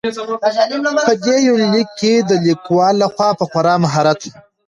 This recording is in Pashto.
په دې يونليک کې د ليکوال لخوا په خورا مهارت.